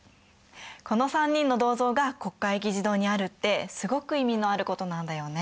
この３人の銅像が国会議事堂にあるってすごく意味のあることなんだよね。